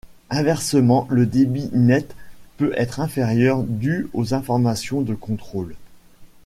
Inversement, le débit net peut être inférieur dû aux informations de contrôle.